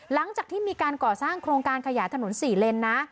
หลังจากที่มีการก่อสร้างโครงการขยายถนน๔เลนนะ